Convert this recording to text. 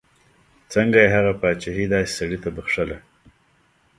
څنګه یې هغه پاچهي داسې سړي ته بخښله.